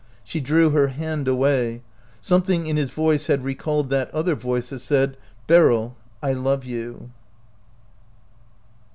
She drew her hand away. Something in his voice had recalled that other voice that said, "Beryl, I love you!"